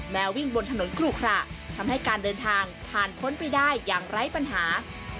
วิ่งบนถนนครูขระทำให้การเดินทางผ่านพ้นไปได้อย่างไร้ปัญหา